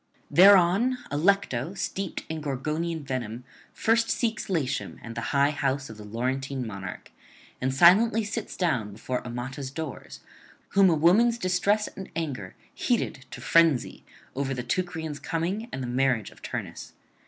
Thereon Allecto, steeped in Gorgonian venom, first seeks Latium and the high house of the Laurentine monarch, and silently sits down before Amata's doors, whom a woman's distress and anger heated to frenzy over the Teucrians' coming and the marriage of Turnus.